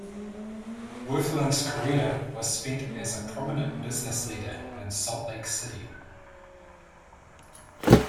Wirthlin's career was spent as a prominent business leader in Salt Lake City.